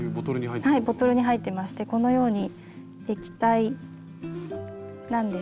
はいボトルに入ってましてこのように液体なんですが。